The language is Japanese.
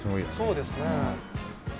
そうですね。